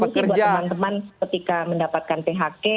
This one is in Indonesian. mungkin buat teman teman ketika mendapatkan phk